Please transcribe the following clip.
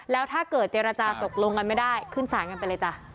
แล้วถ้าเกิดเจรจาตกลงกันไม่ได้ขึ้นสารกันไปเลยจ้ะ